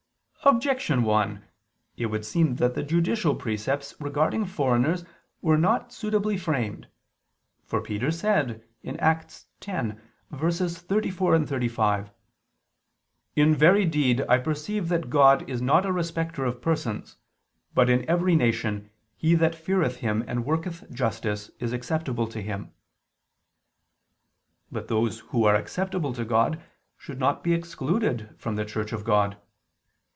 Objection 1: It would seem that the judicial precepts regarding foreigners were not suitably framed. For Peter said (Acts 10:34, 35): "In very deed I perceive that God is not a respecter of persons, but in every nation, he that feareth Him and worketh justice is acceptable to Him." But those who are acceptable to God should not be excluded from the Church of God.